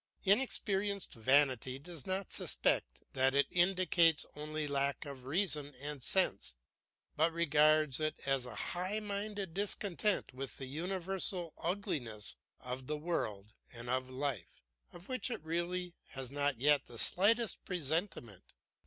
Inexperienced vanity does not suspect that it indicates only lack of reason and sense, but regards it as a high minded discontent with the universal ugliness of the world and of life, of which it really has not yet the slightest presentiment.